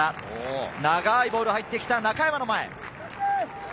長いボールが入ってきた、中山の前。